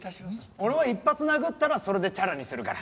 俺は１発殴ったらそれでチャラにするから。